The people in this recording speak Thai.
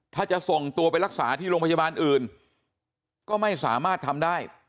ถ้าจะส่งตัวไปรักษาที่โรงพยาบาลอื่นก็ไม่สามารถทำได้